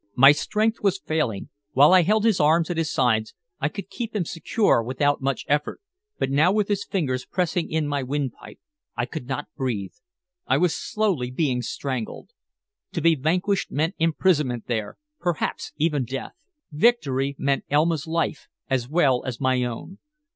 My strength was failing. While I held his arms at his sides, I could keep him secure without much effort, but now with his fingers pressing in my windpipe I could not breathe. I was slowly being strangled. To be vanquished meant imprisonment there, perhaps even death. Victory meant Elma's life, as well as my own.